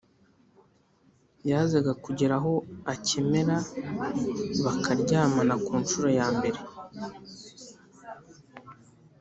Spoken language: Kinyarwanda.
yazaga kugera aho akemera bakaryamana ku nshuro ya mbere.